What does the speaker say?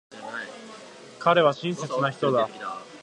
彼は親切な人だ。